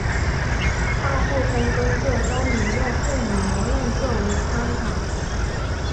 大部分工作都引用费米悖论作为参考。